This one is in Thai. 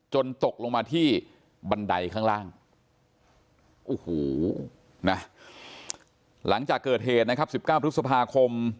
จนตกลงมาที่บันไดข้างล่างหลังจากเกิดเหตุ๑๙พฤษภาคม